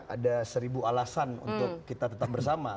ada seribu alasan untuk kita tetap bersama